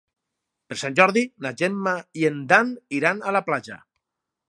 Per Sant Jordi na Gemma i en Dan iran a la platja.